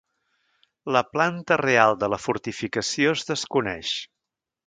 La planta real de la fortificació es desconeix.